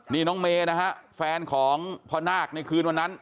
นี่น้องเมย์นะฮะแฟนของพ่อนาคในคืนวันนั้น